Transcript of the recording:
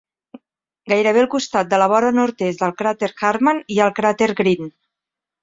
Gairebé al costat de la vora nord-est del cràter Hartmann hi ha el cràter Green.